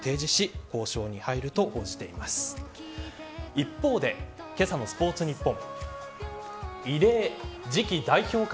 一方でけさのスポーツニッポン。